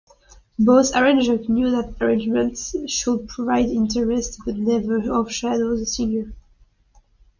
Both arrangers knew that the arrangements should provide interest, but never overshadow the singer.